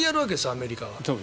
アメリカは。